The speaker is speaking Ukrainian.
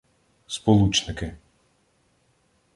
Сполучники